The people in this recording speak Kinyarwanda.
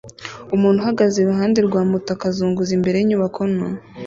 Umuntu uhagaze iruhande rwa moto akazunguza imbere yinyubako nto